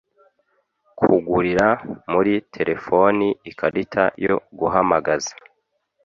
kugurira muri telefoni ikarita yo guhamagaza